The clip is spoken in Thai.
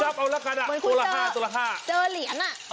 หลายตัวละ๕หรือเหรียญอ่ะ